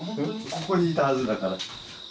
ここにいたはずだから。